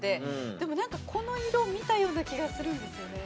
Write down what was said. でもなんかこの色見たような気がするんですよね。